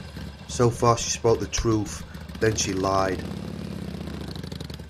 So far she spoke the truth; then she lied.